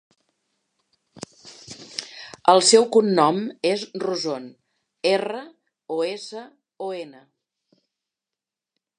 El seu cognom és Roson: erra, o, essa, o, ena.